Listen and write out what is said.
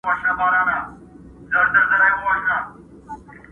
چي خاوند به له بازاره راغی کورته،